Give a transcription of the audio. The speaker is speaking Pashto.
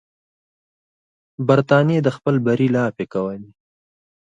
برټانیې د خپل بری لاپې کولې.